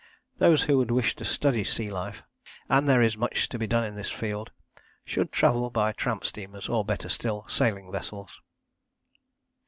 Those who wish to study sea life and there is much to be done in this field should travel by tramp steamers, or, better still, sailing vessels.